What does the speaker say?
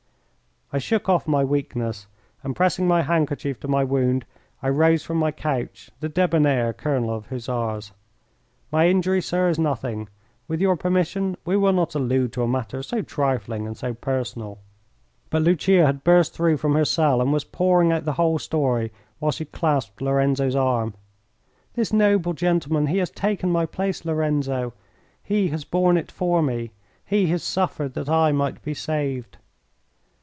I shook off my weakness, and pressing my handkerchief to my wound I rose from my couch, the debonair colonel of Hussars. "My injury, sir, is nothing. With your permission we will not allude to a matter so trifling and so personal." But Lucia had burst through from her cell and was pouring out the whole story while she clasped Lorenzo's arm. "This noble gentleman he has taken my place, Lorenzo! He has borne it for me. He has suffered that I might be saved."